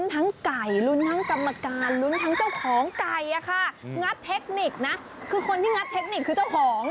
ทั้งไก่ลุ้นทั้งกรรมการลุ้นทั้งเจ้าของไก่อะค่ะงัดเทคนิคนะคือคนที่งัดเทคนิคคือเจ้าของ